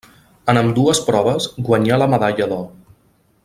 En ambdues proves guanyà la medalla d'or.